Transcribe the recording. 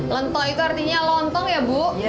lentok itu artinya lontong ya bu